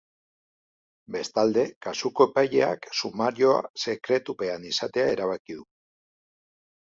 Bestalde, kasuko epaileak sumarioa sekretupean izatea erabaki du.